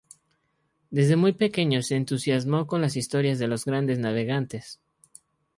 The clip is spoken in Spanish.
Desde muy pequeño se entusiasmó con las historias de los grandes navegantes.